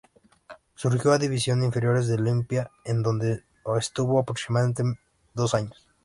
Surgió de las divisiones inferiores de Olimpia, en donde estuvo aproximadamente dos años.